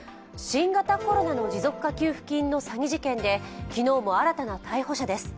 新型コロナの持続化給付金の詐欺事件で昨日も新たな逮捕者です。